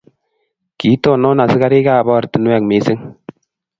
Kiitonon askarikab ortinwek mising